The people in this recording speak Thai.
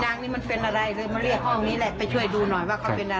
หลานเป็นคนที่สายดีมากนะคะ